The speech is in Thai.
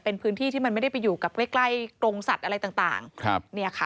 เป็นพื้นที่ที่มันไม่ได้ไปอยู่กับใกล้ใกล้กรงสัตว์อะไรต่างครับเนี่ยค่ะ